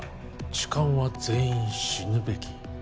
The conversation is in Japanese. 「痴漢は全員死ぬべき」